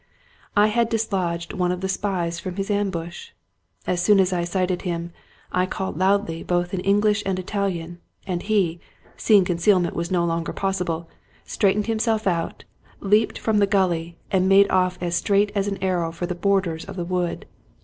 I had dislodged one of the spies from his ambush. As soon as I sighted him, I called loudly both in English and Italian ; and he, seeing concealment was no longer pos sible, straightened himself out, leaped from the gully, and made off as straight as an arrow for the borders of the wood.